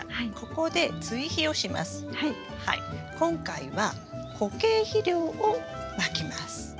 今回は固形肥料をまきます。